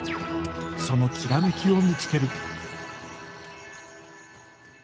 その煌めきを見つける。